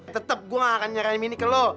tetep gua ga akan nyerahin mini ke lo